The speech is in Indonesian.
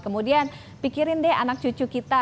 kemudian pikirin deh anak cucu kita